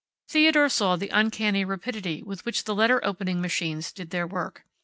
Theodore saw the uncanny rapidity with which the letter opening machines did their work.